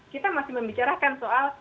kita masih membicarakan soal